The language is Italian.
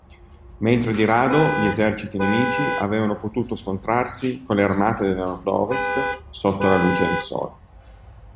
Mentre di rado gli eserciti nemici avevano potuto scontrarsi con le armate del nord-ovest sotto la luce del sole.